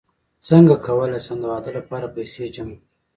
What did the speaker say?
څنګه کولی شم د واده لپاره پیسې جمع کړم